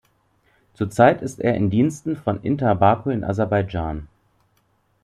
Zurzeit ist er in Diensten von Inter Baku in Aserbaidschan.